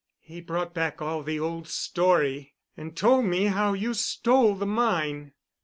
He brought back all the old story—and told me how you stole the mine."